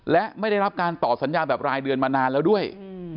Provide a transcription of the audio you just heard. และไม่ได้รับการต่อสัญญาแบบรายเดือนมานานแล้วด้วย